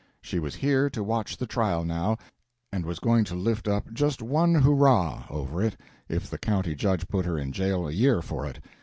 She was here to watch the trial, now, and was going to lift up just one "hooraw" over it if the County Judge put her in jail a year for it.